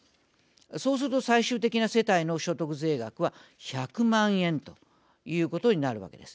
そうすると最終的な所得の所得税額は１００万円ということになるわけです。